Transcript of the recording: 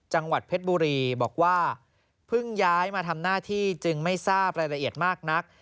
จังหวัดเพชรบุรีบอกว่าเพิ่งย้ายมาทำหน้าที่จึงไม่ทราบรายละเอียดมากนัก